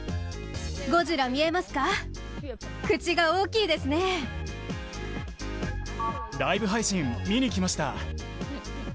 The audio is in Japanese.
ゴジラ見えますか、口が大きライブ配信、見にきました。